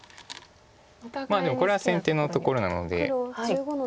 まあでもこれは先手のところなので。